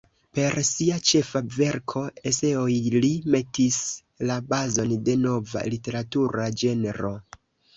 Per sia ĉefa verko "Eseoj", li metis la bazon de nova literatura ĝenro.